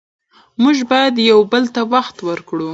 موږ باید یو بل ته وخت ورکړو